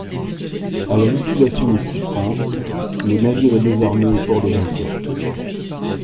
À la liquidation de SeaFrance, le navire est désarmé au port de Dunkerque.